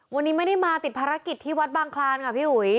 วันนี้ไม่ได้มาติดภารกิจที่วัดบางคลานค่ะพี่อุ๋ย